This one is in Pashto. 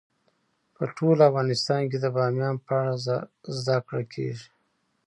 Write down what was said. په ټول افغانستان کې د بامیان په اړه زده کړه کېږي.